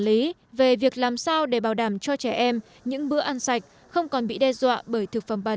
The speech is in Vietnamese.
lý về việc làm sao để bảo đảm cho trẻ em những bữa ăn sạch không còn bị đe dọa bởi thực phẩm bàn